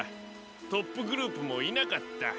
トップグループもいなかった。